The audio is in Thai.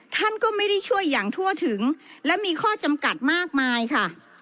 ท่านก็ไม่ได้ช่วยอย่างทั่วถึงและมีข้อจำกัดมากมายค่ะ